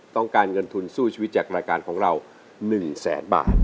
ต้องการเงินทุนสู้ชีวิตจากรายการของเรา๑แสนบาท